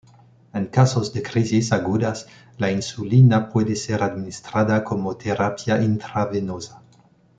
En casos de crisis agudas, la insulina puede ser administrada como terapia intravenosa.